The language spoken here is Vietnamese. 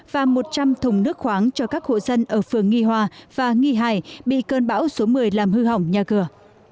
và một trăm linh thùng nước khoáng cho các hộ dân ở phường nghi hòa và nghi hải bị cơn bão số một mươi làm hư hỏng nhà cửa